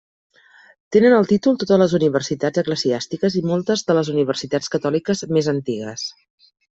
Tenen el títol totes les universitats eclesiàstiques i moltes de les universitats catòliques més antigues.